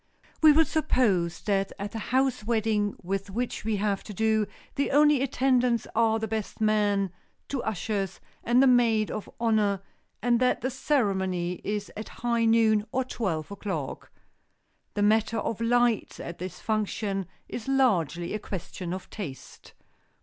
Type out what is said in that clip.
We will suppose that at the house wedding with which we have to do the only attendants are the best man, two ushers and the maid of honor, and that the ceremony is at high noon, or twelve o'clock. The matter of lights at this function is largely a question of taste.